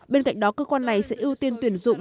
bên cạnh đó cơ quan này sẽ ưu tiên tuyển dụng